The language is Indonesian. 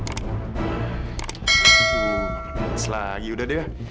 tuh selagi udah deh